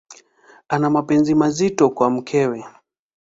Ana mapenzi mazito na mkewe.